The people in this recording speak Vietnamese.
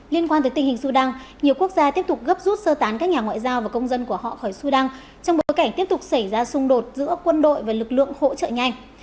liên quan tới tình hình sudan nhiều quốc gia tiếp tục gấp rút sơ tán các nhà ngoại giao và công dân của họ khỏi sudan trong bối cảnh tiếp tục xảy ra xung đột giữa quân đội và lực lượng hỗ trợ nhanh